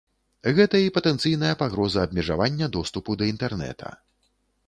Гэта і патэнцыйная пагроза абмежавання доступу да інтэрнэта.